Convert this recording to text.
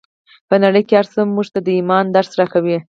په نړۍ کې هر څه موږ ته د ایمان درس راکوي